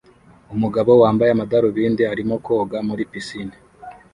Umugabo wambaye amadarubindi arimo koga muri pisine